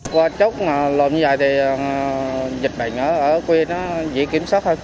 qua chốt mà lộn dài thì dịch bệnh ở quê nó dễ kiểm soát hơn